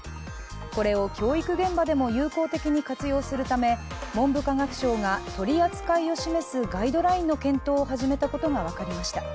これを教育現場でも有効的に活用するため文部科学省が取り扱いを示すガイドラインの検討を始めたことが分かりました。